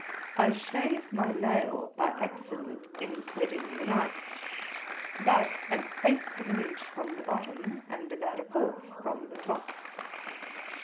I shaved my nail by accident in whetting the knife, about an eighth of an inch from the bottom, and about a fourth from the top.